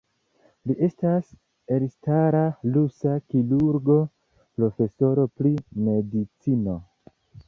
Li estas elstara rusa kirurgo, profesoro pri medicino.